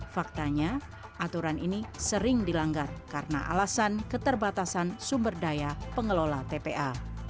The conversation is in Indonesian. faktanya aturan ini sering dilanggar karena alasan keterbatasan sumber daya pengelola tpa